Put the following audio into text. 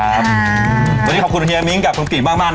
วันนี้ขอบคุณเฮียมิ้งค์และคุณกลิดมากนะครับ